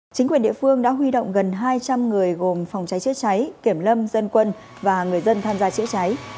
chính quyền địa phương đã huy động gần hai trăm linh người gồm phòng cháy chữa cháy kiểm lâm dân quân và người dân tham gia chữa cháy